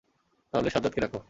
তাহলে সাজ্জাদকে ডাকো।